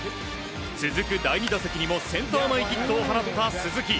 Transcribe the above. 続く第２打席にもセンター前ヒットを放った鈴木。